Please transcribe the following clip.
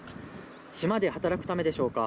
島で働くためでしょうか。